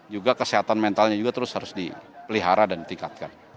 juga kesehatan mentalnya juga terus harus dipelihara dan ditingkatkan